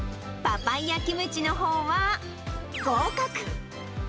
パパイヤキムチのほうは合格。